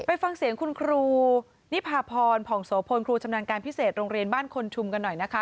ไปฟังเสียงคุณครูนิพาพรผ่องโสพลครูชำนาญการพิเศษโรงเรียนบ้านคนชุมกันหน่อยนะคะ